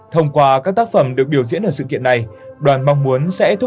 thông qua các tác phẩm được biểu diễn ở sự kiện này đoàn mong muốn sẽ được tham gia buổi tập luyện chung